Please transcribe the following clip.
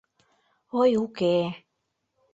— Ой, уке-э!